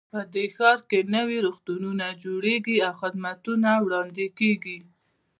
په دې ښار کې نوي روغتونونه جوړیږي او خدمتونه وړاندې کیږي